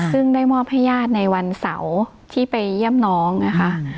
ซึ่งได้มอบให้ญาติในวันเสาร์ที่ไปเยี่ยมน้องนะคะ